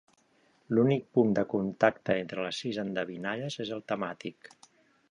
L'únic punt de contacte entre les sis endevinalles és el temàtic.